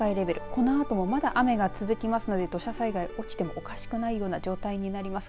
このあともまだ雨が続きますので土砂災害が起きてもおかしくないような状態になります。